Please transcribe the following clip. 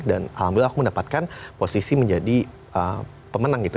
dan alhamdulillah aku mendapatkan posisi menjadi pemenang gitu